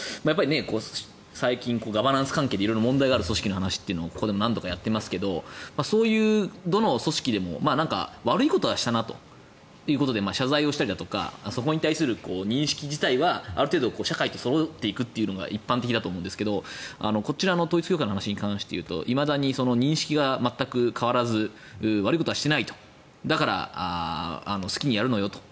最近、ガバナンス関係で問題のある組織の話をここでも何度かやっていますがそういうどの組織でも悪いことはしたなということで謝罪をしたりだとかそこに対する認識自体はある程度社会とそろっていくというのが一般的だと思いますが統一教会の話で言うと今だに認識が全く変わらず悪いことはしていないと。だから好きにやるのよと。